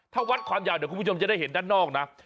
ถ้าวัดความยาวเดี๋ยวคุณผู้ชมจะได้เห็นด้านนอกนะ